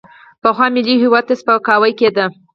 پخوا ملي هویت ته سپکاوی کېده.